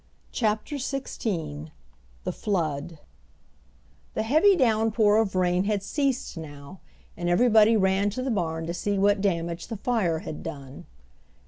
CHAPTER XVI THE FLOOD The heavy downpour of rain had ceased now, and everybody ran to the barn to see what damage the fire had done.